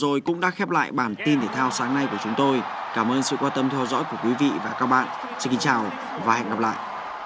rồi cũng đã khép lại bản tin thể thao sáng nay của chúng tôi cảm ơn sự quan tâm theo dõi của quý vị và các bạn xin kính chào và hẹn gặp lại